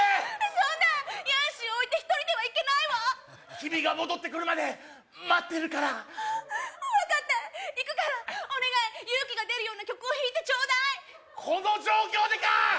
そんなヤンシーを置いて一人では行けないわ君が戻ってくるまで待ってるから分かった行くからお願い勇気が出るような曲を弾いてちょうだいこの状況でかっ